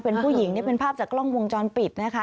เป็นผู้หญิงนี่เป็นภาพจากกล้องวงจรปิดนะคะ